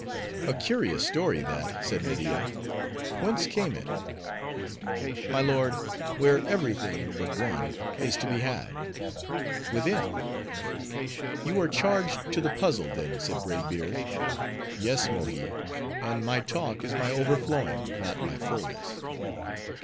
"A curious story that," said Media; "whence came it?" "My lord, where every thing, but one, is to be had:—within." "You are charged to the muzzle, then," said Braid Beard. "Yes, Mohi; and my talk is my overflowing, not my fullness."